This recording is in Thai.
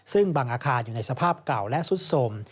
ซึ่งบางอาคารอยู่ในสภาพเก่าและสุดสม